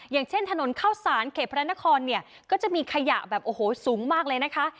อย่างเช่นถนนเข้าสารเขตพระนครเนี่ยก็จะมีขยะแบบโอ้โหสูงมากเลยนะคะ